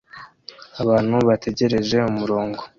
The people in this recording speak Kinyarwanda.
Abantu bategereje umurongo